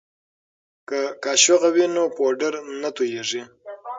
که قاشغه وي نو پوډر نه توییږي.